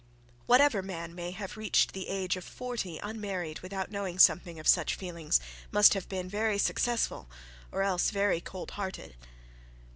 Whatever man may have reached the age of forty unmarried without knowing something of such feelings must have been very successful or else very cold hearted.